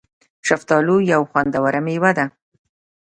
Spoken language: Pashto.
شفتالو یو خوندوره مېوه ده